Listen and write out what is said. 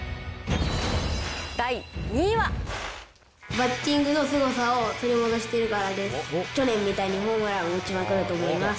バッティングのすごさを取り去年みたいにホームランを打ちまくると思います。